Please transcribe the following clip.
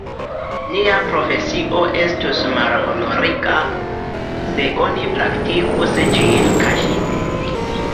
Nia profesio estus malhonoriga, se oni praktikus ĝin kaŝite.